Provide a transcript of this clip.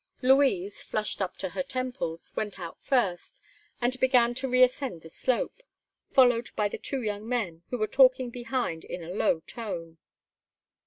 Louise, flushed up to her temples, went out first, and began to reascend the slope, followed by the two young men, who were talking behind in a low tone.